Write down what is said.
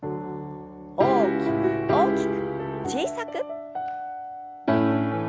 大きく大きく小さく。